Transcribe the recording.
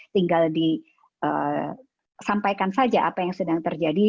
tinggal disampaikan saja apa yang sedang terjadi